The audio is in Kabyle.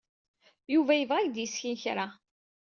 Yuba yebɣa ad ak-d-yessken kra.